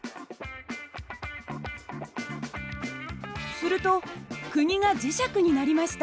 すると釘が磁石になりました。